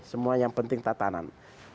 semua yang penting tatanan